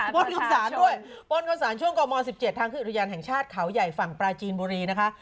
ป้นข้าวสารด้วยป้นเข้าสารช่วงกม๑๗ทางขึ้นอุทยานแห่งชาติเขาใหญ่ฝั่งปลาจีนบุรีนะคะ